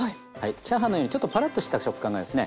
チャーハンのようにちょっとパラッとした食感がですね